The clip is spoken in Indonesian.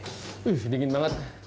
wih dingin banget